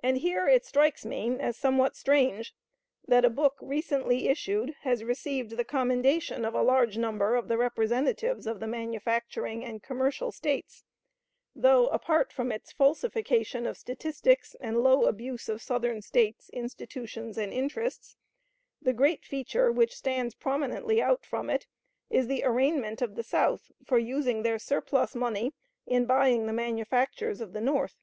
And here it strikes me as somewhat strange that a book recently issued has received the commendation of a large number of the representatives of the manufacturing and commercial States, though, apart from its falsification of statistics and low abuse of Southern States, institutions, and interests, the great feature which stands prominently out from it is the arraignment of the South for using their surplus money in buying the manufactures of the North.